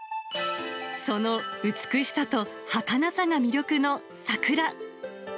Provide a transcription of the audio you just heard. その美しさとはかなさが魅力の桜。